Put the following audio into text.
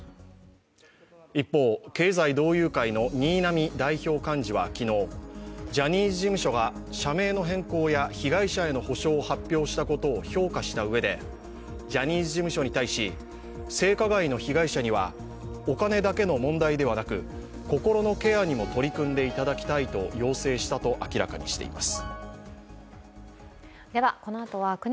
一方、経済同友会の新浪代表幹事は昨日ジャニーズ事務所が社名の変更や被害者への補償を発表したことを評価したうえでジャニーズ事務所に対し性加害の被害者にはお金だけの問題ではなく心のケアにも取り組んでいただきたいと要請したと明らかにしています。